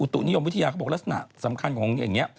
ตุนิยมวิทยาเขาบอกลักษณะสำคัญของอย่างนี้